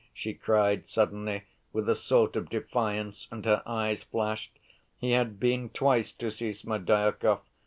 she cried suddenly with a sort of defiance, and her eyes flashed. "He had been twice to see Smerdyakov.